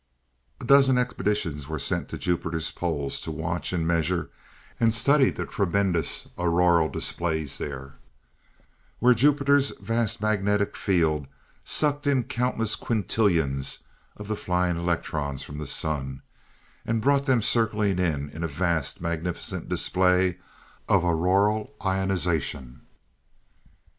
A dozen expeditions were sent to Jupiter's poles to watch and measure and study the tremendous auroral displays there, where Jupiter's vast magnetic field sucked in countless quintillions of the flying electrons from the sun, and brought them circling in, in a vast, magnificent display of auroral ionization.